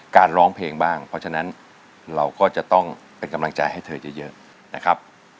ร้องเพลงบ้างเพราะฉะนั้นเราก็จะต้องเป็นกำลังใจให้เธอเยอะนะครับ